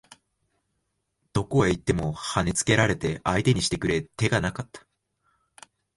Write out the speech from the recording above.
どこへ行っても跳ね付けられて相手にしてくれ手がなかった